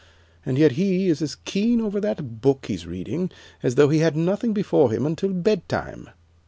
And yet he is as keen over that book he's reading as though he had nothing before him until bedtime."